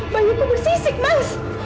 bayiku bersisik mas